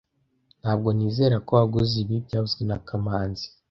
Ntabwo nizera ko waguze ibi byavuzwe na kamanzi